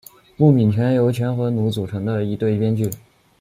木皿泉由和泉努组成的一对编剧。